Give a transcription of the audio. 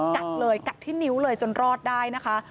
กัดเลยกัดที่นิ้วเลยจนรอดได้นะคะ